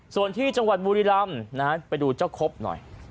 ส่วนที่จังหวัดบุรีรำไปดูเจ้าครบหน่อย